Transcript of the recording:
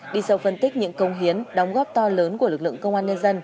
đi sâu phân tích những công hiến đóng góp to lớn của lực lượng công an nhân dân